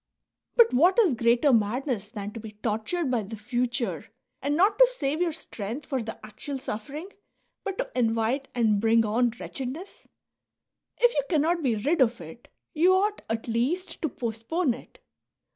But what is greater madness than to be tortured by the future and not to save your strength for the actual suffering, but to invite and bring on wretched ness ? If you cannot be rid of it, you ought at least to postpone it.